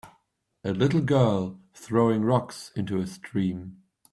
A little girl throwing rocks into a stream.